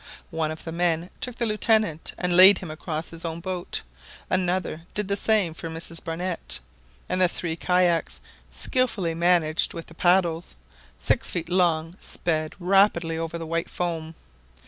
One of the men took the Lieutenant and laid him across his own boat, another did the sane for Mrs Barnett, and the three kayaks, skilfully managed with the paddles, six feet long, sped rapidly over the white foam.